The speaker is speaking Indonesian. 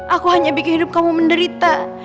aku hanya bikin hidup kamu menderita